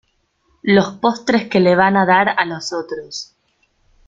los postres que les van a dar a los otros.